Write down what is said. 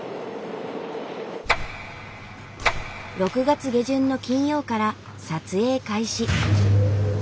６月下旬の金曜から撮影開始。